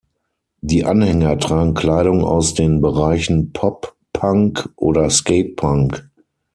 Die Anhänger tragen Kleidung aus den Bereichen Pop-Punk oder Skatepunk.